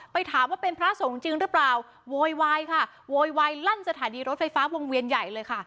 ไปถามว่าเป็นพระสงฆ์จริงหรือเปล่าโวยวายค่ะโวยวายลั่นสถานีรถไฟฟ้าวงเวียนใหญ่เลยค่ะ